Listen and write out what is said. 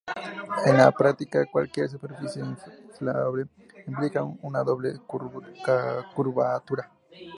En la práctica, cualquier superficie inflable implica una doble curvatura.